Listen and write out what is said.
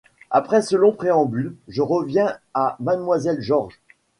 Après ce long préambule, je reviens à Mlle George.